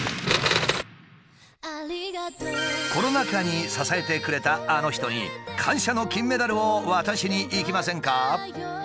コロナ禍に支えてくれたあの人に感謝の金メダルを渡しに行きませんか？